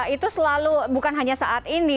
itu selalu bukan hanya saat ini